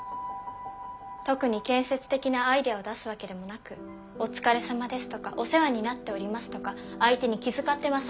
特に建設的なアイデアを出すわけでもなく「お疲れさまです」とか「お世話になっております」とか相手に気遣ってます